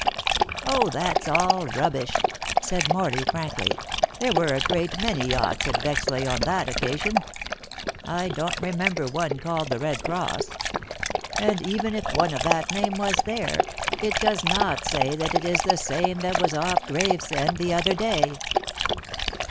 "Oh, that's all rubbish," said Morley frankly; "there were a great many yachts at Bexleigh on that occasion. I don't remember one called The Red Cross. And even if one of that name was there, it does not say that it is the same that was off Gravesend the other day."